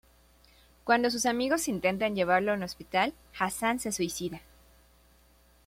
Cuando sus amigos intentan llevarlo a un hospital, Hassan se suicida.